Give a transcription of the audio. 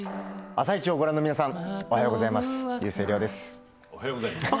「あさイチ」をご覧の皆さんおはようございます。